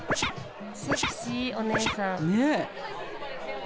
セクシーお姉さん。